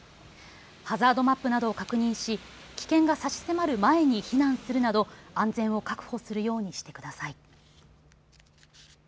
ハザードマップなどを確認し危険が差し迫る前に避難するなど安全を確保するようにしてください。